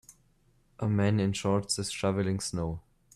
A man in shorts is shoveling snow.